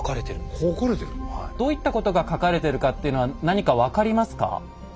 どういったことが書かれてるかというのは何か分かりますか？